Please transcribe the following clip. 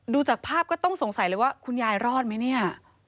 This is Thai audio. จากภาพก็ต้องสงสัยเลยว่าคุณยายรอดไหมเนี่ย